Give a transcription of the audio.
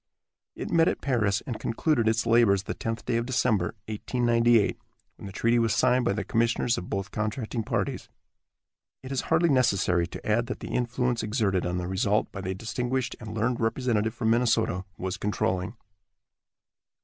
It met at Paris, and concluded its labors the tenth day of December, 1898, when the treaty was signed by the commissioners of both contracting parties. It is hardly necessary to add that the influence exerted on the result by the distinguished and learned representative from Minnesota was controlling.